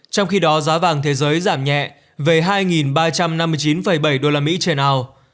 trong khi đó giá vàng thế giới giảm nhẹ về hai ba trăm năm mươi chín bảy usd trên ao